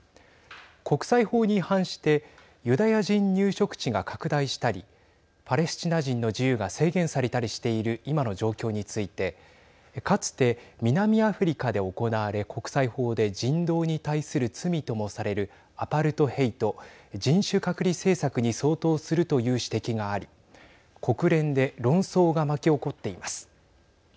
国際法に違反してユダヤ人入植地が拡大したりパレスチナ人の自由が制限されたりしている今の状況についてかつて南アフリカで行われ国際法で人道に対する罪ともされるアパルトヘイト＝人種隔離政策に相当するという指摘があり国連で論争が巻き起こっています。